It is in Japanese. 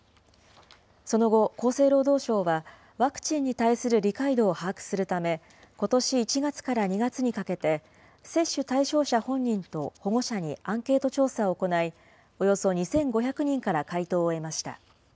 その後、厚生労働省は、ワクチンに対する理解度を把握するため、ことし１月から２月にかけて、接種対象者本人と保護者にアンケート調査を行い、およそ２５００人から回答を得ました。